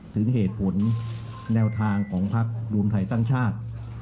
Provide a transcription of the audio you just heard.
ถึงเหตุผลแนวทางของพักรวมไทยสร้างชาติ